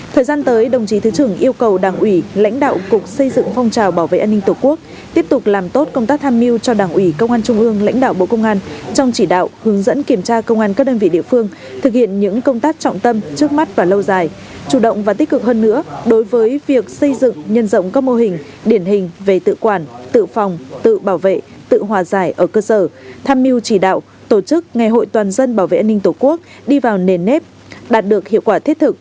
thời gian tới đồng chí thứ trưởng yêu cầu đảng ủy lãnh đạo cục xây dựng phong trào bảo vệ an ninh tổ quốc tiếp tục làm tốt công tác tham mưu cho đảng ủy công an trung ương lãnh đạo bộ công an trong chỉ đạo hướng dẫn kiểm tra công an các đơn vị địa phương thực hiện những công tác trọng tâm trước mắt và lâu dài chủ động và tích cực hơn nữa đối với việc xây dựng nhân rộng các mô hình điển hình về tự quản tự phòng tự bảo vệ tự hòa giải ở cơ sở tham mưu chỉ đạo tổ chức nghề hội toàn dân bảo vệ